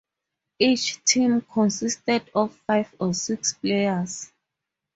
Each team consisted of five or six players.